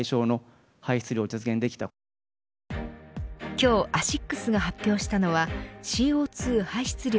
今日アシックスが発表したのはＣＯ２排出量